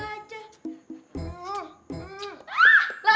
sampai jumpa lagi